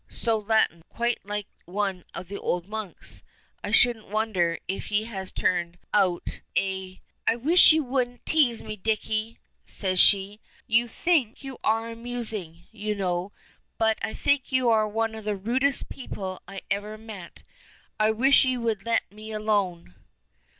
So Latin! Quite like one of the old monks. I shouldn't wonder if he turned out a " "I wish you wouldn't tease me, Dicky," says she. "You think you are amusing, you know, but I think you are one of the rudest people I ever met. I wish you would let me alone."